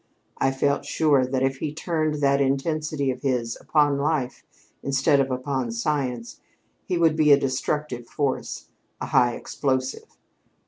I felt sure that, if he turned that intensity of his upon life instead of upon science, he would be a destructive force a high explosive.